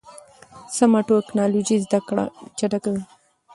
سمه ټکنالوژي زده کړه چټکوي.